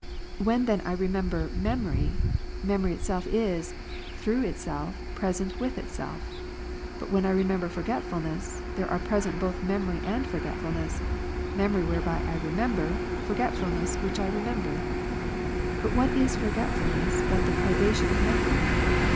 When then I remember memory, memory itself is, through itself, present with itself : i but when I remember forgetfulness, there are present both memory and forgetfulness; memory whereby I remember, forgetfulness which I remember. But what is forgetfulness, but the privation of memory